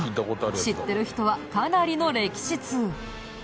知ってる人はかなりの歴史通。